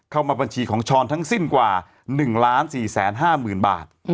เข้ามาบัญชีของช้อนทั้งสิ้นกว่า๑๔๕๐๐๐บาท